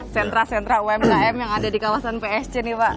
sentra sentra umkm yang ada di kawasan psc nih pak